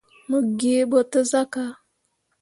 Mo gee ɓo te sah ka.